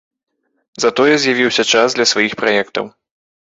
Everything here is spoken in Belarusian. Затое з'явіўся час для сваіх праектаў.